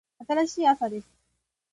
新しい朝です。